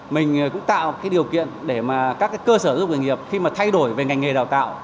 mình cũng tạo cái điều kiện để mà các cơ sở giáo dục nghề nghiệp khi mà thay đổi về ngành nghề đào tạo